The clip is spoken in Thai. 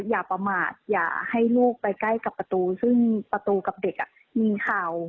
อย่าประมาทอย่าให้ลูกไปใกล้กับประตูซึ่งประตูกับเด็กมีเข่า